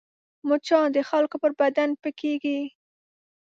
مچان د خلکو پر بدن پکېږي